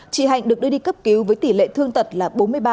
chị hạnh được đưa đi cấp cứu với tỷ lệ thương tật là bốn mươi ba